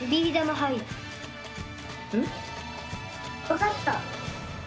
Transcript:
わかった。